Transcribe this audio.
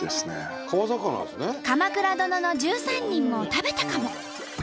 「鎌倉殿の１３人」も食べたかも。